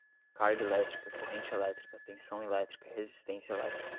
carga elétrica, corrente elétrica, tensão elétrica, resistência elétrica